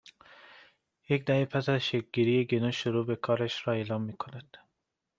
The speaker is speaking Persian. یک دهه پس از شکلگیری گنو، شروع به کارش را اعلام میکند